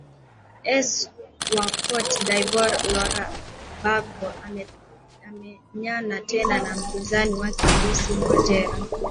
s wa cote dvoire lorah bagbo atamenyana tena na mpizani wake alasun watera